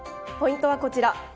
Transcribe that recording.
ポイントはこちら。